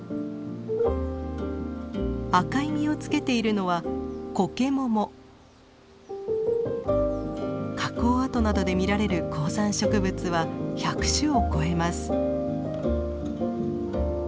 赤い実をつけているのは火口跡などで見られる高山植物は１００種を超えます。